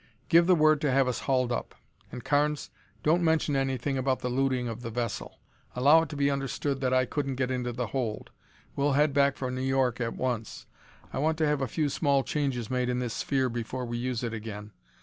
Give the word to have us hauled up; and, Carnes, don't mention anything about the looting of the vessel. Allow it to be understood that I couldn't get into the hold. We'll head back for New York at once. I want to have a few small changes made in this sphere before we use it again.